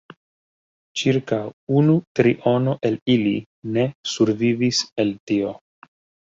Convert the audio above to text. Ĉirkaŭ unu triono el ili ne survivis el tio.